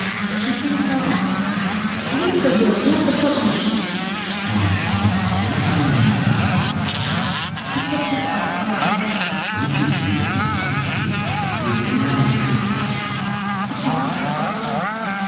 [She frees her hands] Leave the room! You have forgotten yourself. ASTROFF. Tell me, tell me, where can we meet to morrow? [He puts his arm around her] Don't you see that we must meet, that it is inevitable? He kisses her.